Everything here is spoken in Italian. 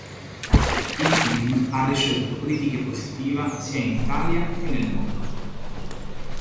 Il film ha ricevuto critiche positiva sia in Italia che nel mondo.